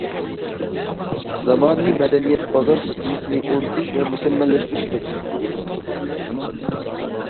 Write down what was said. زامانىۋى مەدەنىيەت بازار سىستېمىسىنى ئورنىتىش ۋە مۇكەممەللەشتۈرۈش كېرەك.